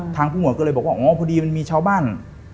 ผู้หวดก็เลยบอกว่าอ๋อพอดีมันมีชาวบ้าน